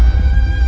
aku mau pergi